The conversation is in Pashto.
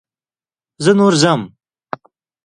زه نور ځم.